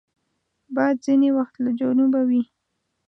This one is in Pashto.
باد ځینې وخت له جنوبه وي